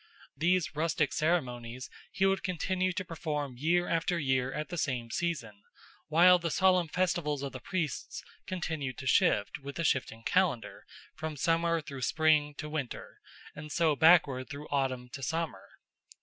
These rustic ceremonies he would continue to perform year after year at the same season, while the solemn festivals of the priests continued to shift, with the shifting calendar, from summer through spring to winter, and so backward through autumn to summer.